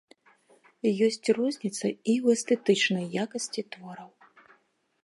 Ёсць розніца і ў эстэтычнай якасці твораў.